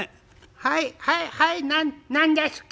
「はいはいはい何ですか？」。